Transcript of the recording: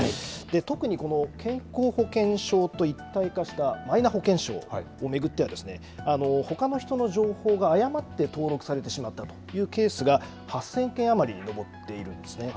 特に、健康保険証と一体化したマイナ保険証を巡ってはですねほかの人の情報が誤って登録されてしまったというケースが８０００件余りに上っているんですね。